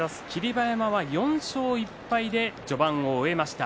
馬山４勝１敗で序盤を終えました。